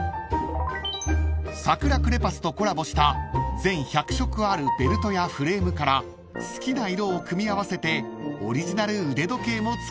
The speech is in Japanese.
［サクラクレパスとコラボした全１００色あるベルトやフレームから好きな色を組み合わせてオリジナル腕時計も作れます］